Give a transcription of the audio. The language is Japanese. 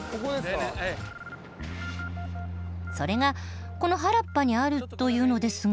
それがこの原っぱにあるというのですが。